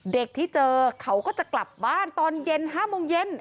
เด็กที่เจอเขาก็จะกลับบ้านตอนเย็น๕โมงเย็น